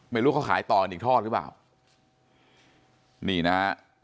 ไม่รู้เขาขายต่อกันอีกทอดหรือเปล่านี่นะฮะ